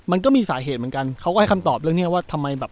มันก็มีสาเหตุเหมือนกันเขาก็ให้คำตอบเรื่องเนี้ยว่าทำไมแบบ